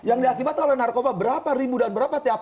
yang diakibat oleh narkoba berapa ribu dan berapa